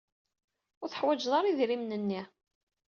Ur teḥwaǧeḍ ara idrimen-nni.